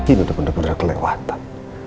ini udah bener bener kelewatan